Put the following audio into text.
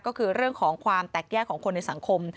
ก็คือเรื่องของความแตกแยกของคนในสังคม